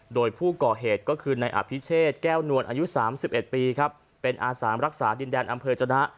โดยผู้ก่อเหตุก็คือในอภิเชษแก้วนวลอายุ๓๑ปีครับเป็นอาสารักษาดินแดนอำเภอจนะ